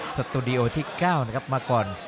สตูดิโอที่๙นะครับมาก่อน